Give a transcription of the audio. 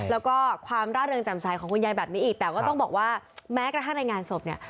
แล้วก็ความร่าเริงจำใสของคุณยายแบบนี้อีกแต่ก็ต้องบอกว่าแม้กระทั่งในงานศพเนี่ย